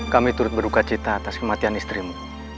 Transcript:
kami turut berukacita atas kematian istrimu